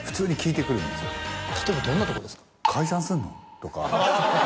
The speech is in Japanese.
例えばどんなとこですか？とか。